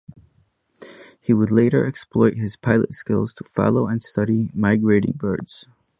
He would later exploit his pilot skills to follow and study migrating birds.